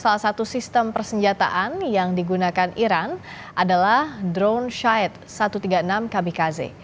salah satu sistem persenjataan yang digunakan iran adalah drone shide satu ratus tiga puluh enam kbkze